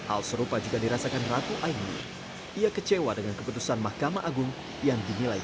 hal serupa juga dirasakan ratu aini ia kecewa dengan keputusan mahkamah agung yang dinilai